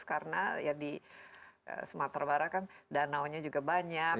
karena di sumatera barat kan danaunya juga banyak